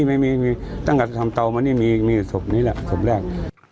ไม่มีตั้งแต่ทำเตามานี่มีศพนี้แหละศพแรก